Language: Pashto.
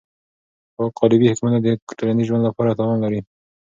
قالبي حکمونه د ټولنیز ژوند لپاره تاوان لري.